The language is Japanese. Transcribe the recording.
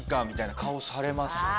みたいな顔されます。